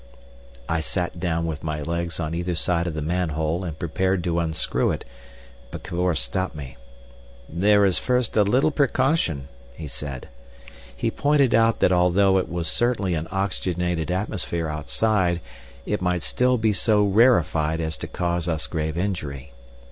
I sat down with my legs on either side of the manhole and prepared to unscrew it, but Cavor stopped me. "There is first a little precaution," he said. He pointed out that although it was certainly an oxygenated atmosphere outside, it might still be so rarefied as to cause us grave injury.